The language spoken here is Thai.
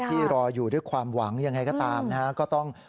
ที่รออยู่ที่ความหวังก็ต้อง